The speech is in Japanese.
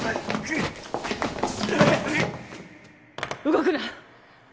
動くな！